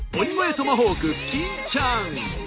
トマホーク金ちゃん。